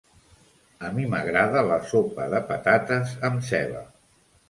A mi m'agrada la sopa de patates amb ceba.